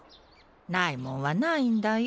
ないもんはないんだよ。